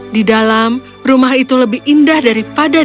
di dalam rumah itu lebih indah daripada di dalamnya